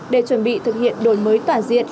để chuẩn bị thực hiện đổi mới toàn diện